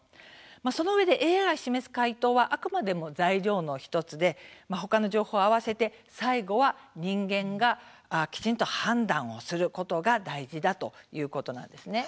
そのうえで、ＡＩが示す回答はあくまでも材料の１つで他の情報を合わせて最後は人間がきちんと判断をすることが大事だということなんです。